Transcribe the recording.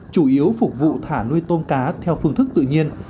chủ yếu phục vụ thả nuôi tôm cá theo phương thức tự nhiên